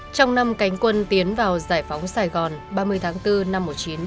trong năm cánh quân tiến vào giải phóng sài gòn ba mươi tháng bốn năm một nghìn chín trăm bảy mươi năm